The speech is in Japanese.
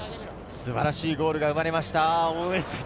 素晴らしいゴールが生まれました。